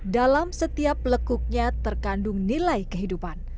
dalam setiap lekuknya terkandung nilai kehidupan